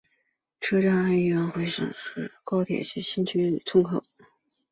车站位于安徽省宿州市砀山县高铁新区薛口村。